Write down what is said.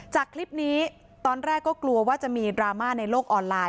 จากคลิปนี้ตอนแรกก็กลัวว่าจะมีดราม่าในโลกออนไลน